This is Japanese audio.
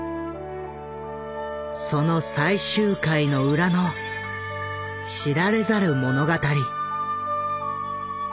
その最終回の裏の知られざる物語。